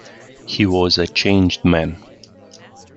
He was a changed man.